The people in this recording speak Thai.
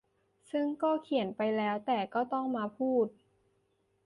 ซึ่งก็เขียนไปแล้วแต่ก็ต้องมาพูด